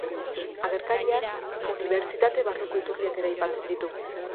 Agerkariak unibertsitate barruko iturriak ere aipatzen ditu.